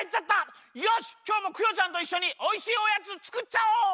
よしきょうもクヨちゃんといっしょにおいしいおやつつくっちゃおう！